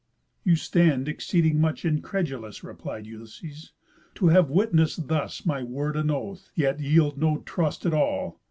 "You stand exceeding much incredulous," Replied Ulysses, "to have witness'd thus My word and oath, yet yield no trust at all.